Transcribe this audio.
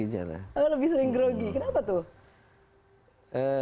oh lebih sering grogi kenapa tuh